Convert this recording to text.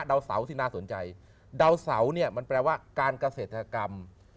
ดาวเสาสิน่าสนใจมันแปลว่าการเกษตรกรรม